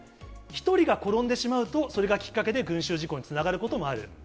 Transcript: １人が転んでしまうと、それがきっかけで、群集事故につながることもある。